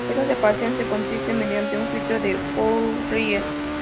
Esta separación se consigue mediante un filtro de Fourier.